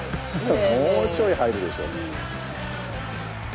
もうちょい入るでしょ！